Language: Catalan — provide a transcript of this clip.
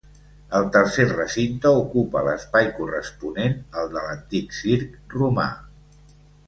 El tercer recinte ocupa l'espai corresponent al de l'antic circ romà.